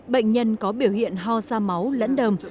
bệnh nhân có biểu hiện ho ra máu lẫn đờm